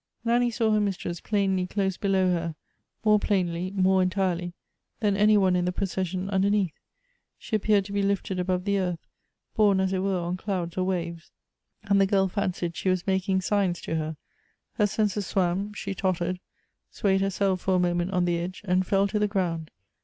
Nanny saw her mistress plainly close below her, more plainly, more entirely, than any one in the procession underneath ; she appeared to be lifted above the earth, borne as it were on clouds or waves, and the girl fancied she was making signs to her; her senses swam, she tottered, swayed herself for a mo ment on the edge and fell to the ground.